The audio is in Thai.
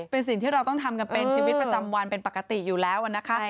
เป็นสิ่งที่เราต้องทำกันเป็นชีวิตประจำวันเป็นปกติอยู่แล้วนะคะ